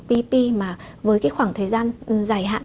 ppp mà với cái khoảng thời gian dài hạn